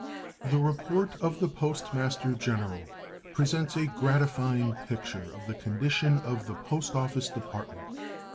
The report of the Post Master General presents a gratifying picture of the condition of the Post Office Department.